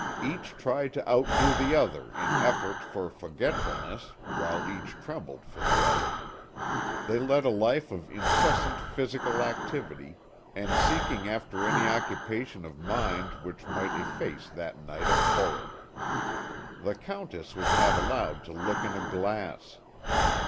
Each tried to outdo the other in effort for forgetfulness while each trembled for the other. They led a life of incessant physical activity, and seeking after any occupation of mind which might efface that night of horror. The Countess was not allowed to look in a glass.